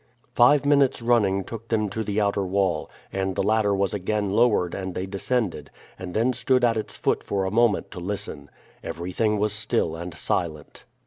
Five minutes' running took them to the outer wall, and the ladder was again lowered and they descended, and then stood at its foot for a moment to listen. Everything was still and silent.